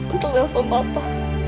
untuk nelfon papa